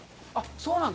そうなんだ。